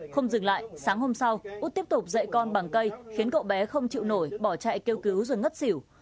không dừng lại sáng hôm sau út tiếp tục dạy con bằng cây khiến cậu bé không chịu nổi bỏ chạy kêu cứu rồi ngất xỉu